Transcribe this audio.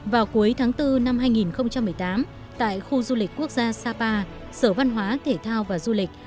vào cuối tháng bốn năm hai nghìn một mươi tám tại khu du lịch quốc gia sapa sở văn hóa thể thao và du lịch